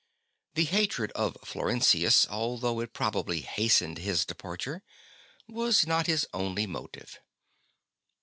The hatred of Florentius, although it probably hastened his departure, was not his only motive.